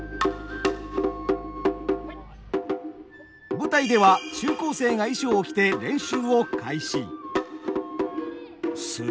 舞台では中高生が衣装を着て練習を開始。